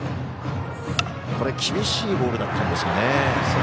厳しいボールだったんですがね。